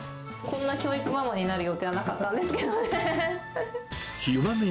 こんな教育ママになる予定はなかったんですけどね。